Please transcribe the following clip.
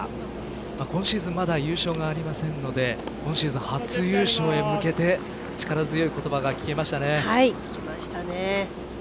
今シーズンまだ優勝がありませんので今シーズン初優勝へ向けて力強い言葉が聞けましたね。